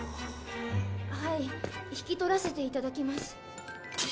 はい引き取らせていただきます。